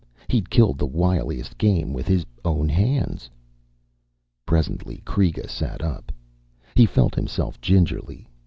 He'd killed the wiliest game with his own hands. Presently Kreega sat up. He felt himself gingerly.